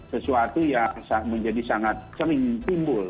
sesuatu yang menjadi sangat sering timbul